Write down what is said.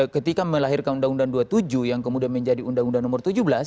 ketika melahirkan undang undang dua puluh tujuh yang kemudian menjadi undang undang nomor tujuh belas